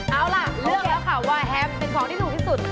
เอาล่ะเลือกแล้วค่ะว่าแฮปเป็นของที่ถูกที่สุด